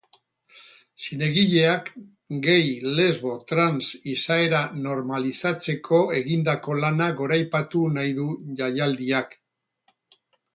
Zinegileak gay-lesbo-trans izaera normalizatzeko egindako lana goraipatu nahi du jaialdiak.